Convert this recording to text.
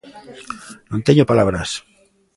Non teño palabras.